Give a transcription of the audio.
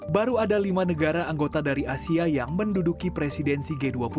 baru ada lima negara anggota dari asia yang menduduki presidensi g dua puluh